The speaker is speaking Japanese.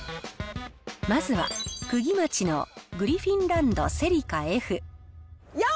まずはクギマチのグリフィンランドセリカＦ。